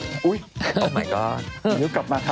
อันนี้กลับมาครับ